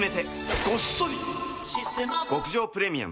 極上プレミアム